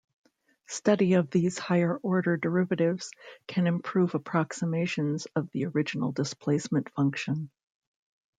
Study of these higher order derivatives can improve approximations of the original displacement function.